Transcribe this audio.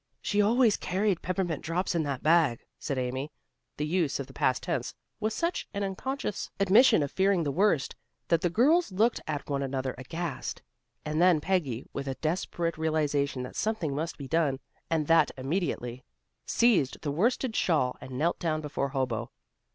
"She always carried peppermint drops in that bag," said Amy. The use of the past tense was such an unconscious admission of fearing the worst, that the girls looked at one another aghast. And then Peggy, with a desperate realization that something must be done, and that immediately, seized the worsted shawl, and knelt down before Hobo.